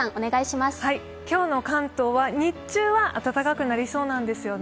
今日の関東は日中は暖かくなりそうなんですよね。